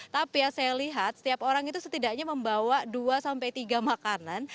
tapi ya saya lihat setiap orang itu setidaknya membawa dua sampai tiga makanan